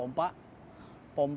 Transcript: pompa kalau ke lebih yang expert lagi